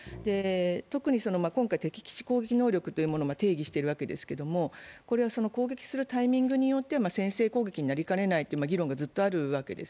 特に、今回、敵基地攻撃能力というものを定義しているわけですがこれは攻撃するタイミングによっては先制攻撃になりかねないという議論がずっとあるわけです。